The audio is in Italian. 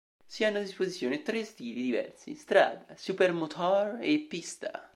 Si hanno a disposizione tre stili diversi: "strada", "supermotard" e "pista".